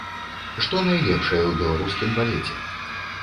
Што найлепшае ў беларускім балеце?